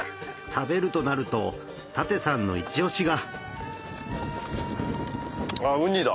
食べるとなると舘さんのイチ押しがウニだ。